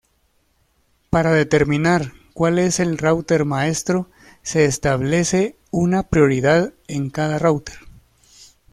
Para determinar cual es el router maestro se establece una prioridad en cada router.